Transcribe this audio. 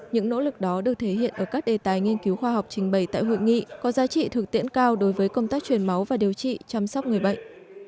những nỗ lực đó được thể hiện ở các đề tài nghiên cứu khoa học trình bày tại hội nghị có giá trị thực tiễn cao đối với công tác truyền máu và điều trị chăm sóc người bệnh